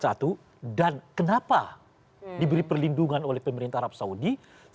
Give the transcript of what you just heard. satu dan kenapa diberi perlindungan oleh pemerintah arab saudi